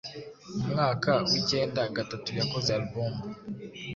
Mu mwaka w’ikenda gatatu yakoze album